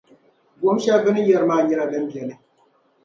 Buɣim shɛli bɛni yari yaa maa nyɛla din beni.